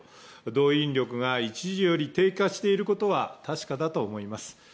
動員力が一時より低下していることは確かだと思います。